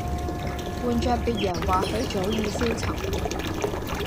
換著別人或許早已消沉